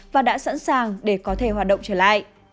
và đã sẵn sàng để có thể hoạt động trở lại